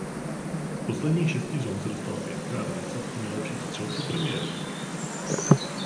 Z posledních šesti sezón se dostal pětkrát do desítky nejlepších střelců Premier League.